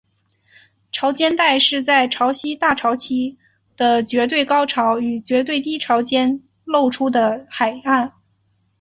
潮间带是在潮汐大潮期的绝对高潮和绝对低潮间露出的海岸。